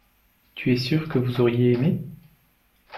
tu es sûr que vous auriez aimé.